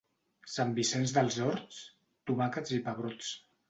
Sant Vicenç dels Horts, tomàquets i pebrots.